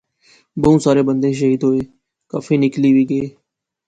بہوں سارے بندے شہید ہوئے، کافی نکلی وی گئے